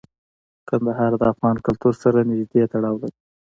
کندهار د افغان کلتور سره نږدې تړاو لري.